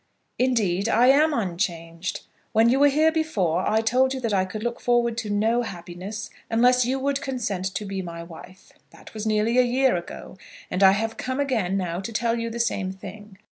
"Indeed I am unchanged. When you were here before I told you that I could look forward to no happiness unless you would consent to be my wife. That was nearly a year ago, and I have come again now to tell you the same thing.